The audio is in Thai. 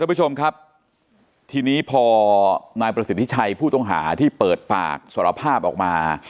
ผู้ชมครับทีนี้พอนายประสิทธิชัยผู้ต้องหาที่เปิดปากสารภาพออกมา